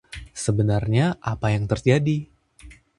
Sebenarnya apa yang terjadi?